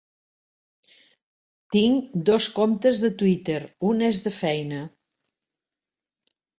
Tinc dos comptes de Twitter, un és de feina.